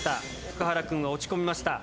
福原くんは落ち込みました。